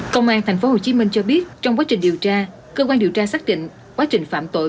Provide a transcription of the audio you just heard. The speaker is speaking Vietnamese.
công an tp hcm cho biết trong quá trình điều tra cơ quan điều tra xác định quá trình phạm tội